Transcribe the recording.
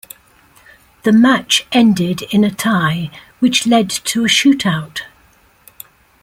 The match ended in a tie which led to a shootout.